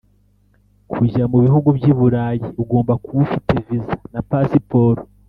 Kujya mu bihugu by’ iburayi ugomba kuba ufite viza na pasiporo